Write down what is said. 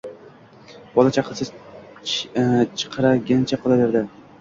Bola-chaqasi chirqiragancha qolaverdi.